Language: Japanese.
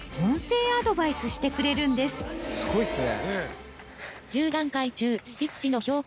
すごいっすね。